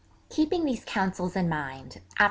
Keeping these counsels in mind, after M.